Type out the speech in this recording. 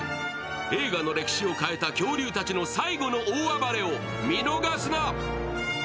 映画の歴史を変えた恐竜たちの最後の大暴れを見逃すな。